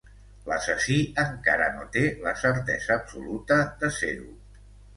L'assassí encara no té la certesa absoluta de ser-ho.